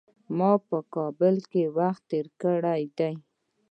ما په کابل کي وخت تېر کړی دی .